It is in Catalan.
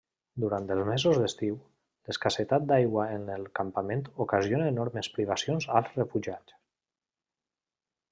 Durant els mesos d'estiu, l'escassetat d'aigua en el campament ocasiona enormes privacions als refugiats.